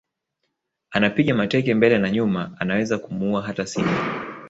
Anapiga mateke mbele na nyuma anaweza kumuua hata Simba